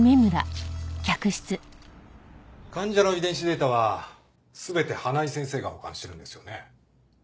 患者の遺伝子データは全て花井先生が保管してるんですよね？